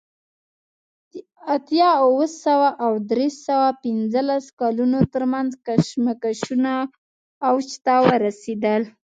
د اتیا اوه سوه او درې سوه پنځلس کلونو ترمنځ کشمکشونه اوج ته ورسېدل